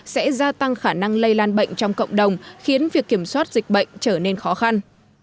sẽ gia tăng khả năng lây lan bệnh trong cộng đồng khiến việc kiểm soát dịch bệnh trở nên khó khăn